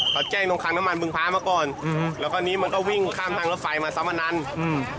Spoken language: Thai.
เขาแจ้งตรงขังน้ำมันบึงพ้ามาก่อนแล้วตอนนี้มันก็วิ่งข้ามทางรถไฟมาสัมพนันทร์